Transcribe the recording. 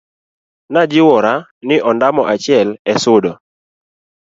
najiwora ni ondamo achiel e sudo